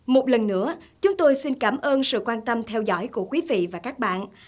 một lần nữa chúng tôi xin cảm ơn sự quan tâm theo dõi của quý vị và các bạn